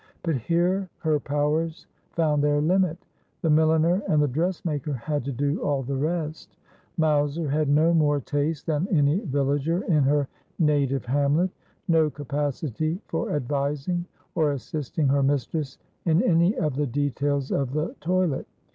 But here her powers found their limit. The milliner and the dressmaker had to do all the rest. Mowser had no more taste than any villager in her native hamlet ; no capacity for advising or assisting her mis tress in any of the details of the toilet.